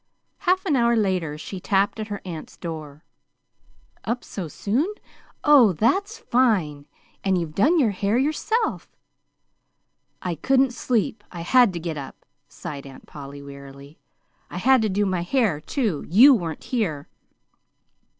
Half an hour later she tapped at her aunt's door. "Up so soon? Oh, that's fine! And you've done your hair yourself!" "I couldn't sleep. I had to get up," sighed Aunt Polly, wearily. "I had to do my hair, too. YOU weren't here."